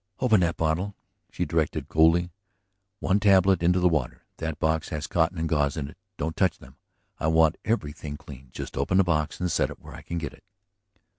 "Open that bottle," she directed coolly. "One tablet into the water. That box has cotton and gauze in it ... don't touch them! I want everything clean; just open the box and set it where I can get it."